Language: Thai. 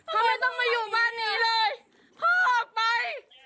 ทำไมต้องมาอยู่บ้านนี้เลยพ่อออกไป